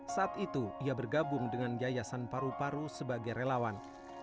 saat itu ia bergabung dengan yayasan paru paru sebagai relawan